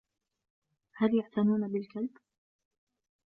هل يعتنون بالكلب ؟